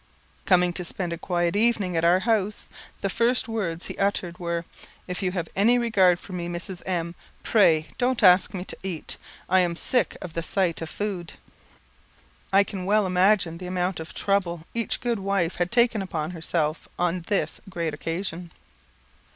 Coming to spend a quiet evening at our house, the first words he uttered were "If you have any regard for me, Mrs. M , pray don't ask me to eat. I am sick of the sight of food." I can well imagine the amount of "trouble" each good wife had taken upon herself on this great occasion.